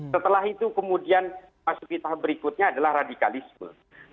setelah itu kemudian masuk di tahap berikutnya adalah radikalisme